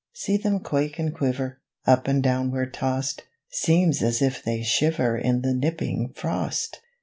See them quake and quiver, Up and downward tossed, Seems as if they shiver In the nipping frost!